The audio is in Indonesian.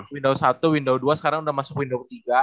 windows satu windows dua sekarang udah masuk windows tiga